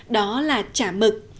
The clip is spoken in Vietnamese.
đó là chả mực